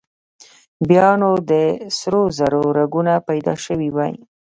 بيا نو د سرو زرو رګونه پيدا شوي وای.